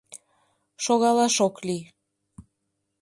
Шогалаш ок лий.